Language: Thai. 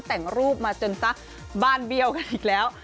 แต่งรูปมาจนซะบ้านเบี้ยวกันอีกแล้ว